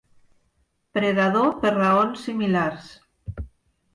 Predador per raons similars.